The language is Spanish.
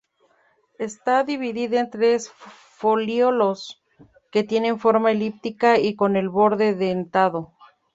Está dividida en tres foliolos, que tienen forma elíptica y con el borde dentado.